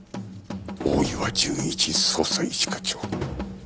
大岩純一捜査一課長。